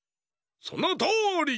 そのとおり！